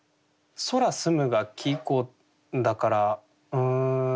「空澄む」が季語だからうん。